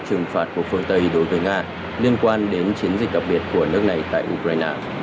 trừng phạt của phương tây đối với nga liên quan đến chiến dịch đặc biệt của nước này tại ukraine